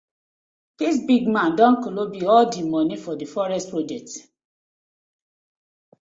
Dis big man don kolobi all di moni for di forest project.